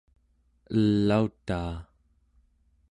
elautaa